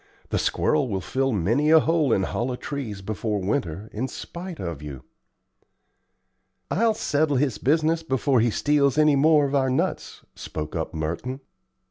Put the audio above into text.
"The squirrel will fill many a hole in hollow trees before winter, in spite of you." "I'll settle his business before he steals many more of our nuts," spoke up Merton.